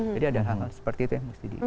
jadi ada hal hal seperti itu yang mesti di